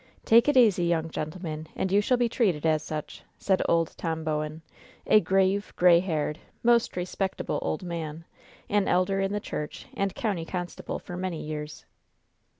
"Take it easy, young gentlemen, and you shall be treated as such," said old Tom Bowen, a grave, gray haired, most respectable old man, an elder in the church and county constable for many years.